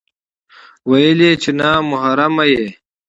ويل يې چې نا محرمه يې